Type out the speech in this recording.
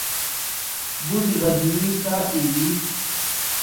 بُٹیۡ غزوی ساتُوئ بیش تھی؛